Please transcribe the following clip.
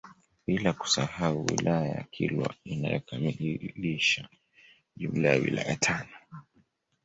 Bila kusahau wilaya ya Kilwa inayokamilisha jumla ya wilaya tano